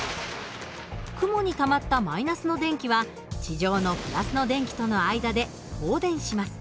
雲にたまった−の電気は地上の＋の電気との間で放電します。